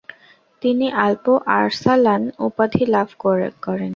তিনি Alp Arslan উপাধি লাভ করেন।